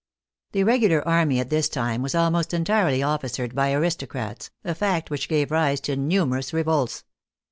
The regular army at this time was almost entirely officered by aristocrats, a fact which gave rise to numerous revolts.